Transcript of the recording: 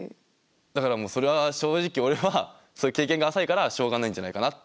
だからもうそれは正直俺はそういう経験が浅いからしょうがないんじゃないかなって思ってて。